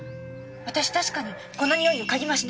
私確かにこのにおいを嗅ぎました。